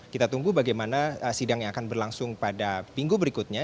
kita tunggu bagaimana sidang yang akan berlangsung pada minggu berikutnya